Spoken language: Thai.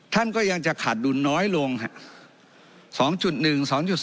ท่านก็ยังจะขาดดุลน้อยลงครับ